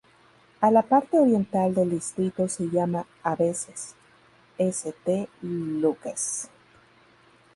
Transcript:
A la parte oriental del distrito se llama, a veces, St Luke's.